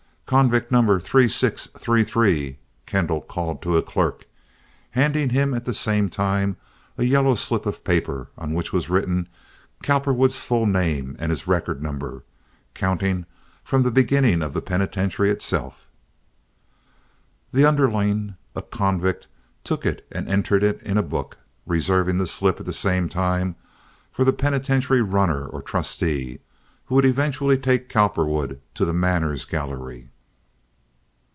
"Convict number 3633," Kendall called to a clerk, handing him at the same time a yellow slip of paper on which was written Cowperwood's full name and his record number, counting from the beginning of the penitentiary itself. The underling, a convict, took it and entered it in a book, reserving the slip at the same time for the penitentiary "runner" or "trusty," who would eventually take Cowperwood to the "manners" gallery.